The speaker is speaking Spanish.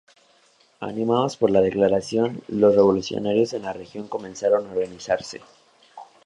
Animados por la declaración, los revolucionarios en la región comenzaron a organizarse.